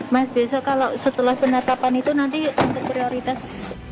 mas besok kalau setelah penetapan itu nanti untuk prioritas